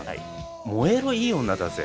「燃えろいい女」だぜ。